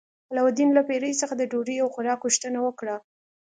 علاوالدین له پیري څخه د ډوډۍ او خوراک غوښتنه وکړه.